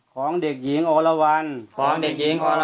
ของเด็กหญิงอลวัล